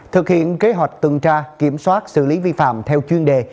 thực hiện kế hoạch tuần tra kiểm soát xử lý vi phạm theo chuyên đề